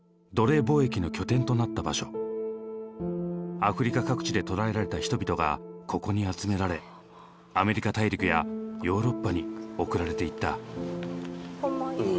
アフリカ各地で捕らえられた人々がここに集められアメリカ大陸やヨーロッパに送られていった。